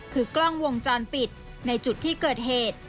คือกล้องวงจรปิดในจุดที่เกิดเหตุ